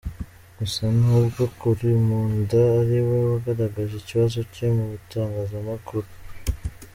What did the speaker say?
Gusa n’ubwo Karimunda ariwe wagaragaje ikibazo cye mu itangazamakuru.